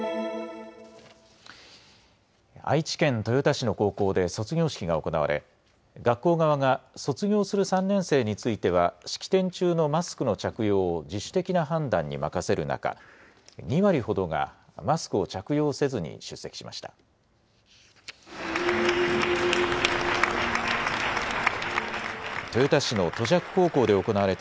愛知県豊田市の高校で卒業式が行われ学校側が卒業する３年生については式典中のマスクの着用を自主的な判断に任せる中、２割ほどがマスクを着用せずに出席しました。